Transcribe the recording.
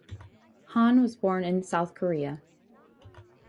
Han was born in South Korea.